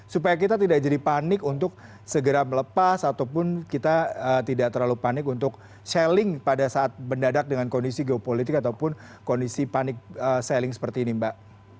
supaya kita tidak jadi panik untuk segera melepas ataupun kita tidak terlalu panik untuk selling pada saat mendadak dengan kondisi geopolitik ataupun kondisi panik selling seperti ini mbak